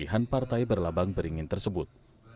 pilihan partai berlabang beringin tersebut